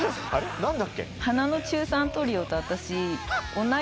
何だっけ？